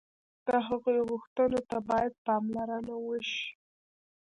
د هغوی غوښتنو ته باید پاملرنه وشي.